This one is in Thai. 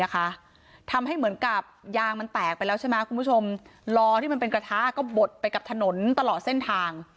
คุณผู้ชมรอที่มันเป็นกระทะก็บดไปกับถนนตลอดเส้นทาง